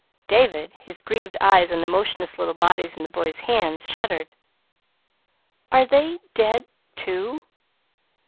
David, his grieved eyes on the motionless little bodies in the boys' hands, shuddered. "Are they dead, too?"